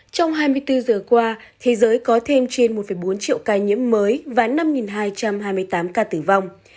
trong hai mươi bốn giờ qua thế giới có thêm trên một bốn triệu ca nhiễm mới và năm hai trăm hai mươi tám ca tử vong